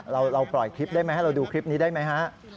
เราปล่อยคลิปได้ไหมให้เราดูคลิปนี้ได้ไหมฮะ